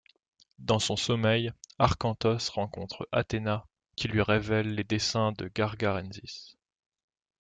Dans son sommeil, Arkantos rencontre Athéna qui lui révèle les desseins de Gargarensis.